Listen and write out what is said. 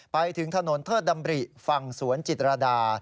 ไปถึงถนนเทิดดำริฝั่งสวนจิตรดา